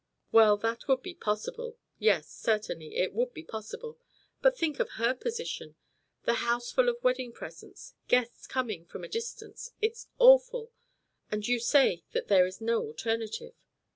"Well, that would be possible. Yes, certainly, it would be possible. But think of her position. The house full of wedding presents guests coming from a distance. It is awful. And you say that there is no alternative."